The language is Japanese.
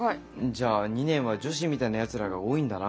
じゃあ２年は女子みたいなやつらが多いんだな。